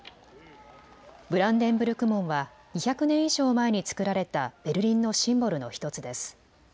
ブランデンブルク門は２００年以上前に造られたベルリンのシンボルの１つです。